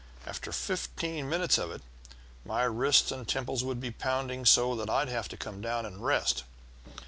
After fifteen minutes of it, my wrists and temples would be pounding so I'd have to come down and rest.